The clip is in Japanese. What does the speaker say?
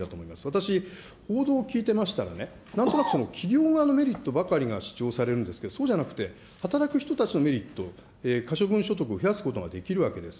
私、報道を聞いてましたらね、なんとなく企業側のメリットばかりが主張されるんですけど、そうじゃなくて、働く人たちのメリット、可処分所得を増やすことができるわけです。